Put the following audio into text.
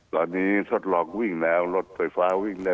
ตอนนี้ทดลองวิ่งแล้วรถไฟฟ้าวิ่งแล้ว